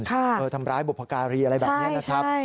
ทำร้ายบุพการีอะไรแบบนี้นะครับ